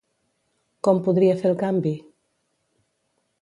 Com podria fer el canvi?